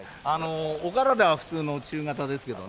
お体は普通の中型ですけどね。